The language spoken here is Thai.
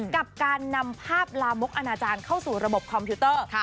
กับการนำภาพลามกอนาจารย์เข้าสู่ระบบคอมพิวเตอร์